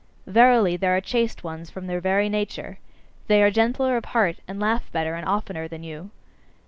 Verily, there are chaste ones from their very nature; they are gentler of heart, and laugh better and oftener than you.